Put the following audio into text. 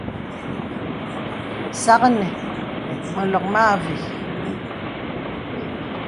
Sàknə məlɔk mə àvə.